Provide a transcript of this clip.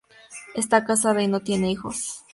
Está casada y no tiene hijos.